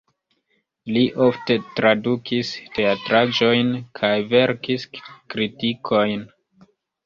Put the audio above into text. Li ofte tradukis teatraĵojn kaj verkis kritikojn.